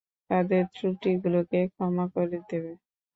তাদের ত্রুটিগুলোকে ক্ষমা করে দেবে!